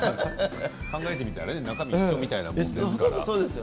考えてみたら中身似たようなものですから。